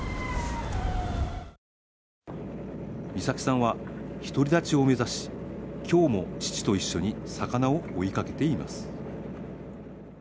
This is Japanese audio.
岬さんは独り立ちを目指し今日も父と一緒に魚を追いかけています